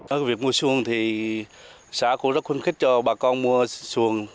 ở việc mua xuân thì xã cũng rất khuyến khích cho bà con mua xuồng